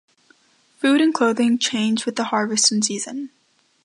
Food and clothing change with the harvest and season.